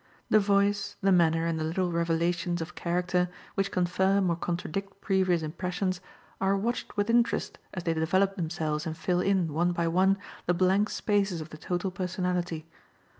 The voice, the manner, and the little revelations of character, which confirm or contradict previous impressions, are watched with interest as they develop themselves and fill in, one by one, the blank spaces of the total personality.